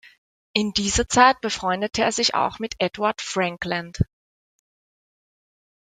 In dieser Zeit befreundete er sich auch mit Edward Frankland.